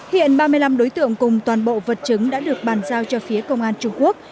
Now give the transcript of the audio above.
hiện ba mươi năm đối tượng cùng toàn bộ vật chứng đã được bàn giao cho phía công an trung quốc